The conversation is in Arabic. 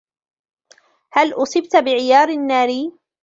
هل أصبت بعيار ناري ؟